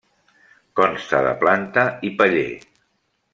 Consta de planta i paller.